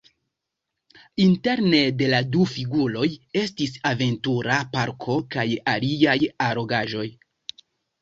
Interne de la du figuroj estis aventura parko kaj aliaj allogaĵoj.